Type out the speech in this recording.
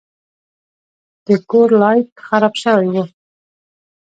د کور لایټ خراب شوی و.